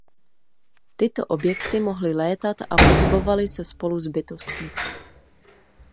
Tyto objekty mohly létat a pohybovaly se spolu s bytostmi.